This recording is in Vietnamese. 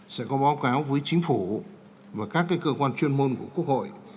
sẽ có báo cáo với chính phủ và các cơ quan chuyên môn của quốc hội